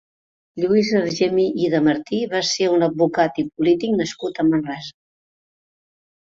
Lluís Argemí i de Martí va ser un advocat i polític nascut a Manresa.